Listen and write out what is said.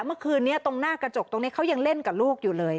เมื่อคืนนี้ตรงหน้ากระจกตรงนี้เขายังเล่นกับลูกอยู่เลย